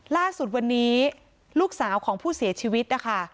ล่าสุดวันนี้ลูกสาวของผู้เสียชีวิตนะคะ